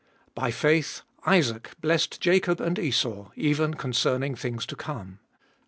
XI.— 20. By faith Isaac blessed Jacob and Esau, even concerning things to come. 21.